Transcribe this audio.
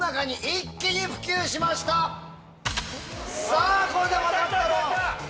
さぁこれで分かったろう！